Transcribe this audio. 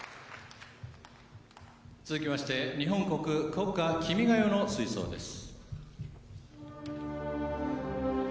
続きまして日本国国歌「君が代」の吹奏です。